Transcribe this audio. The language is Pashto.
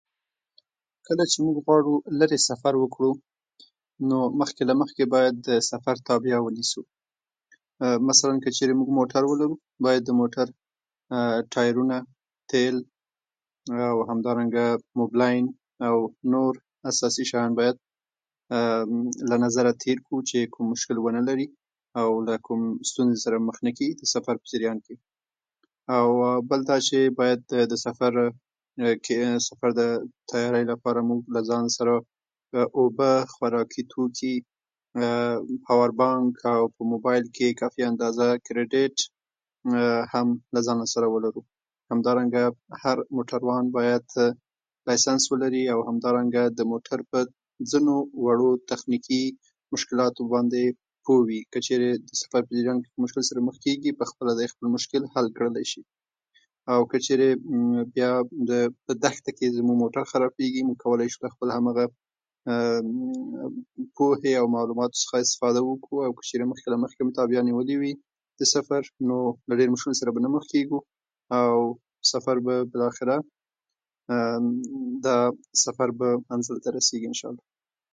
"""کله چې موږ غواړو لیرې سفر وکړو، نو مخکې له مخکې باید د سفر تابي ونیسو. مثلاً که چېرې موږ موټر ولرو، باید د موټر ټایرونه، تیل او همدارنګه موبلین او نور اساسي شیان بايد له نظره تېر کړو چې کوم مشکل ونه لري او له کوم ستونزي سره مخ نه کې د سفر په جريان کې.او بل دا چې د سفر سپور تېاري لپاره باید موږ له ځانه سره اوبه، خوراکي توکي، پاوربانک او په موبایل کې کافي اندازه کریډیټ هم له ځانه سره ولرو. همدارنګه هر موټروان باید لایسنس ولري اوهمدارنګه د موټر په ځینو وړو تخنیکي مشکلاتو باندي پو وي. که چېرې د سفر په جریان کې له کوم مشکل سره مخ کېږي، باید په خپل دي خپل مشکل خل کړيللي شي. او که چېرې بيا په دښته کې زموږ موټر خرابېږي، نو کولای شو له خپل همغه پوهې او معلوماتو څخه استفاده وکو. او که چېرې مخکې له مخکې مو د تابع نیولي وي، د سفر نو له ډېرو مشکلاتو سره به نه مخ کېږو او سفر به بې له خیره دا سفر به .منزل ته رسېږي، ان شاء الله"